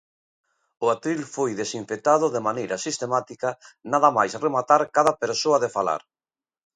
O atril foi desinfectado de maneira sistemática, nada máis rematar cada persoa de falar.